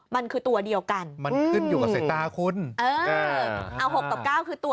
๙มันคือตัวเดียวกันมันขึ้นอยู่กับใส่ตาคุณ๖กับ๙คือตัว